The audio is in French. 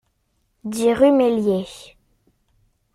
dix rue Meillier